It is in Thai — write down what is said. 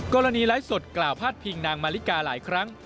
ไลฟ์สดกล่าวพาดพิงนางมาริกาหลายครั้ง